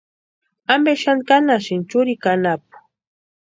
¿Ampe xani kánhasïni churikwa anapu?